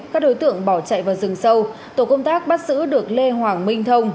các đối tượng bỏ chạy vào rừng sâu tổ công tác bắt giữ được lê hoàng minh thông